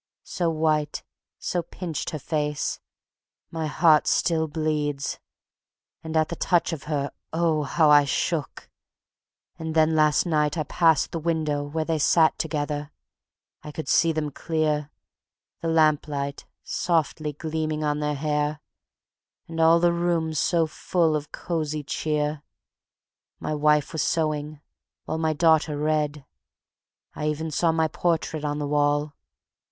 So white, so pinched her face, my heart still bleeds, And at the touch of her, oh, how I shook! And then last night I passed the window where They sat together; I could see them clear, The lamplight softly gleaming on their hair, And all the room so full of cozy cheer. My wife was sewing, while my daughter read; I even saw my portrait on the wall.